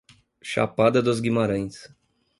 Chapada dos Guimarães